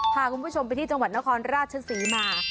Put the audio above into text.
พาคุณผู้ชมไปที่จังหวัดนครราชศรีมา